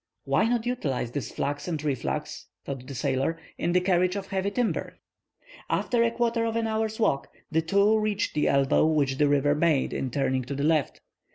"Why not utilize this flux and reflux," thought the sailor, "in the carriage of heavy timber?" After a quarter of an hour's walk, the two reached the elbow which the river made in turning to the left.